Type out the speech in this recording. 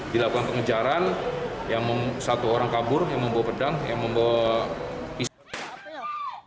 dilakukan pengejaran satu orang kabur yang membawa pedang yang membawa pisau